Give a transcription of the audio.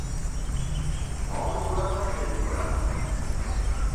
All is well that ends well.